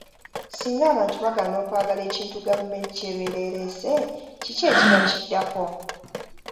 Singa abantu bagaana okwagala ekintu gavumenti kyebeera ereese kiki ekiba kiddako?